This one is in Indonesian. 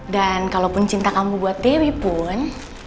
dan kalaupun cinta kamu buat dewi pun